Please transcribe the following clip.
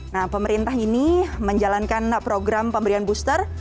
nah pemerintah ini menjalankan program pemberian booster